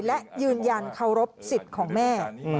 และยืนยันเคารพสิทธิ์ของแม่